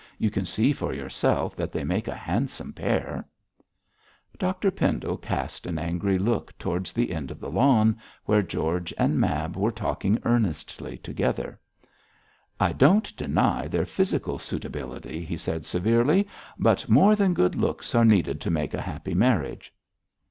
You can see for yourself that they make a handsome pair.' Dr Pendle cast an angry look towards the end of the lawn, where George and Mab were talking earnestly together. 'I don't deny their physical suitability,' he said severely, 'but more than good looks are needed to make a happy marriage.'